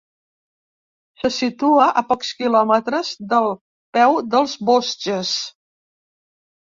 Se situa a pocs quilòmetres del peu dels Vosges.